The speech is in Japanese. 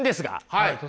はい。